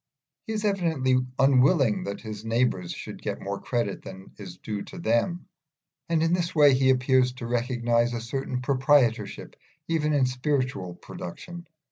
He is evidently unwilling that his neighbours should get more credit than is due to them, and in this way he appears to recognise a certain proprietorship even in spiritual production.